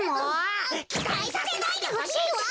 きたいさせないでほしいわ！